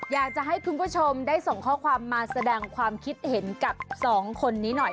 อยากจะให้คุณผู้ชมได้ส่งข้อความมาแสดงความคิดเห็นกับสองคนนี้หน่อย